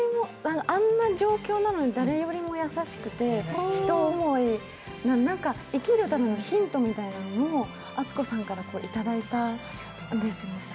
あんな状況なのに誰よりも優しくて人を思い、生きるためのヒントみたいなのを篤子さんからいただいたんです。